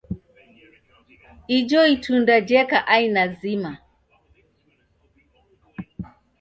Ijo itunda jeka aina zima.